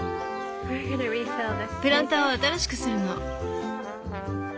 プランターを新しくするの。